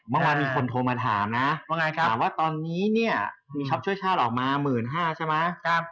เมื่อวานมีคนโทรมาถามนะถามว่าตอนนี้ช็อปช่วยชาติออกมา๑๕๐๐๐บาทใช่ไหม